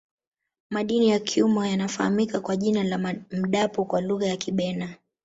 madini ya cuma yanafahamika kwa jina la mdapo kwa lugha ya kibena